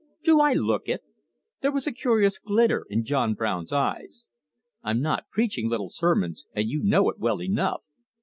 "Do I look it?" There was a curious glitter in John Brown's eyes. "I'm not preaching little sermons, and you know it well enough."